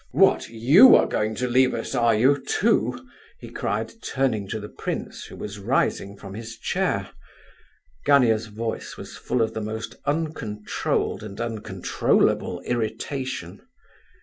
What, you are going to leave us are you, too?" he cried, turning to the prince, who was rising from his chair. Gania's voice was full of the most uncontrolled and uncontrollable irritation.